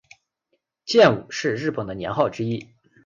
建武是日本的年号之一。